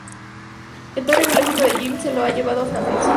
El padre biológico de Jim se lo ha llevado a San Francisco.